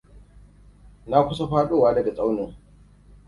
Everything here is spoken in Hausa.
Na kusa faɗowa daga tsaunin.